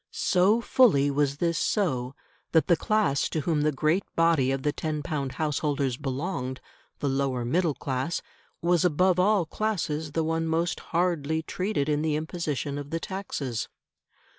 So fully was this so, that the class to whom the great body of the ten pound householders belonged the lower middle class was above all classes the one most hardly treated in the imposition of the taxes.